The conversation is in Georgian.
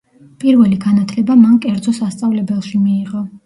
პირველი განათლება მან კერძო სასწავლებელში მიიღო.